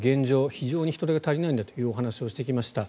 非常に人手が足りないんだというお話をしてきました。